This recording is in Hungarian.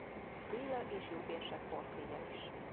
Béla és Jób érsek portréja is.